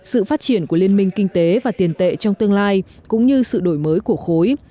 sự phát triển của liên minh kinh tế và tiền tệ trong tương lai cũng như sự đổi mới của khối